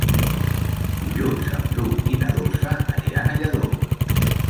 Dilluns en Bru i na Dolça aniran a Lladó.